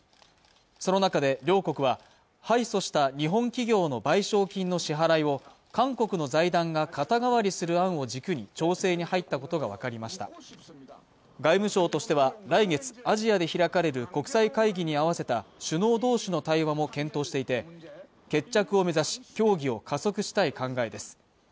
その中で両国は敗訴した日本企業の賠償金の支払いを韓国の財団が肩代わりする案を軸に調整に入ったことが分かりました外務省としては来月アジアで開かれる国際会議に合わせた首脳どうしの対話も検討していて決着を目指し協議を加速したい考えです